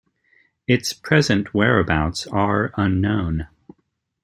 Its present whereabouts are unknown.